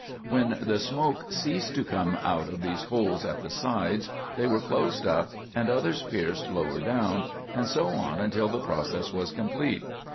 When the smoke ceased to come out of these holes at the sides, they were closed up and others pierced lower down, and so on until the process was complete.